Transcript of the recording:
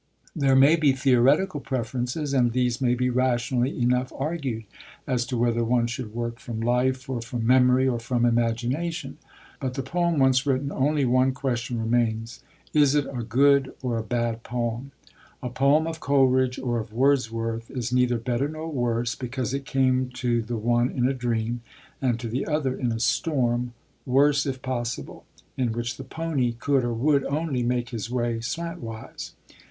There may be theoretical preferences, and these may be rationally enough argued, as to whether one should work from life or from memory or from imagination. But, the poem once written, only one question remains: is it a good or a bad poem? A poem of Coleridge or of Wordsworth is neither better nor worse because it came to the one in a dream and to the other in 'a storm, worse if possible, in which the pony could (or would) only make his way slantwise.'